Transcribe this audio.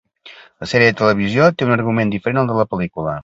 La sèrie de televisió té un argument diferent al de la pel·lícula.